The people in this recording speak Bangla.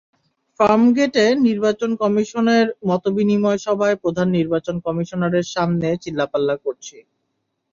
ফার্মগেটে নির্বাচন কমিশনের মতবিনিময় সভায় প্রধান নির্বাচন কমিশনারের সামনে চিল্লাপাল্লা করছি।